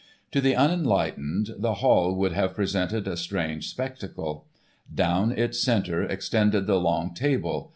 To the unenlightened the hall would have presented a strange spectacle. Down its center extended the long table.